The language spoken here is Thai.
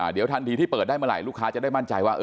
เดี๋ยวทันทีที่เปิดได้เมื่อไหร่ลูกค้าจะได้มั่นใจว่า